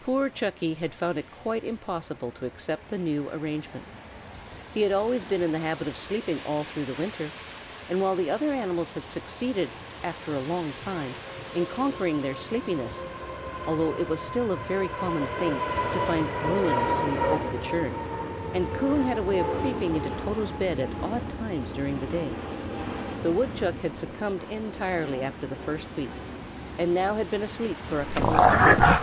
Poor Chucky had found it quite impossible to accept the new arrangement. He had always been in the habit of sleeping all through the winter; and while the other animals had succeeded, after a long time, in conquering their sleepiness (though it was still a very common thing to find Bruin asleep over the churn, and Coon had a way of creeping into Toto's bed at odd times during the day), the woodchuck had succumbed entirely after the first week, and had now been asleep for a couple of months.